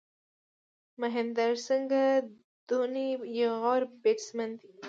مهندر سنگھ دهوني یو غوره بېټسمېن دئ.